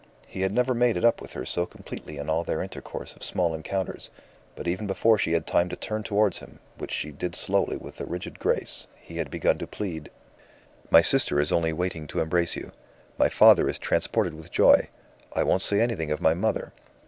He had never made it up with her so completely in all their intercourse of small encounters; but even before she had time to turn towards him, which she did slowly with a rigid grace, he had begun to plead "My sister is only waiting to embrace you. My father is transported with joy. I won't say anything of my mother!